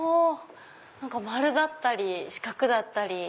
丸だったり四角だったり。